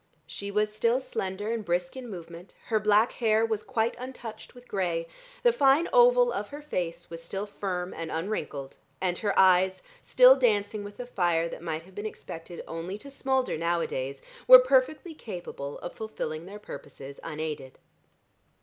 She was still slender and brisk in movement, her black hair was quite untouched with grey, the fine oval of her face was still firm and unwrinkled, and her eyes, still dancing with the fire that might have been expected only to smoulder nowadays, were perfectly capable of fulfilling their purposes unaided.